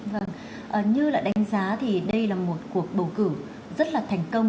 vâng như là đánh giá thì đây là một cuộc bầu cử rất là thành công